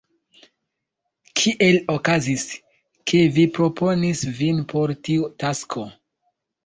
Kiel okazis, ke vi proponis vin por tiu tasko?